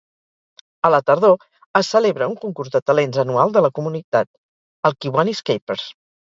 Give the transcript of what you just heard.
A la tardor es celebra un concurs de talents anual de la comunitat, el Kiwanis Kapers.